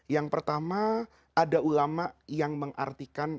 yang pertama ada ulama yang mengartikan